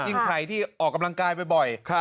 ใครที่ออกกำลังกายบ่อย